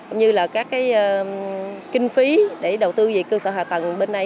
như là các kinh phí để đầu tư về cơ sở hạ tầng bên đây